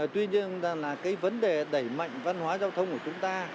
tuy nhiên là cái vấn đề đẩy mạnh văn hóa giao thông của chúng ta